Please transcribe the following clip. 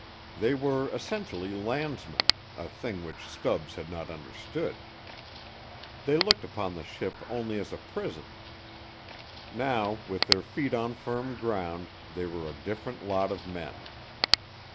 They were essentially landsmen a thing which Stubbs had not understood. They looked upon the ship only as a prison. Now, with their feet on firm ground, they were a different lot of men.